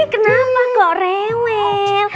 ih kenapa kok rewel